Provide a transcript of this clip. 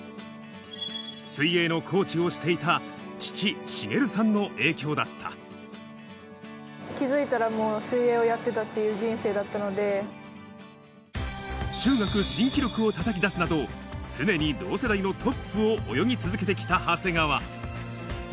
水泳のコーチをしていた父、気付いたら、もう水泳をやっ中学新記録をたたき出すなど、常に同世代のトップを泳ぎ続けてきた長谷川。